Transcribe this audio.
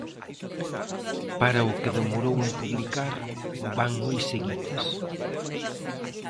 Para o que demorou en publicar van moi seguidas.